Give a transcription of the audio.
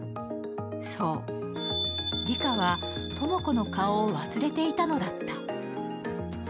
そう、梨花は知子の顔を忘れていたのだった。